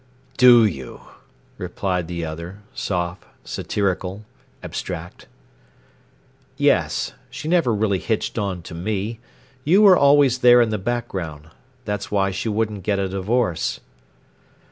"Do you?" replied the other, soft, satirical, abstract. "Yes. She never really hitched on to me—you were always there in the background. That's why she wouldn't get a divorce."